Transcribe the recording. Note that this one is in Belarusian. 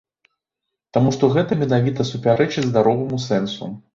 Таму што гэта менавіта супярэчыць здароваму сэнсу.